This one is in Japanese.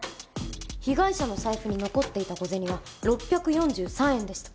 被害者の財布に残っていた小銭は６４３円でした。